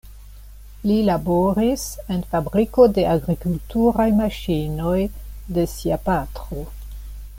Li laboris en fabriko de agrikulturaj maŝinoj de sia patro.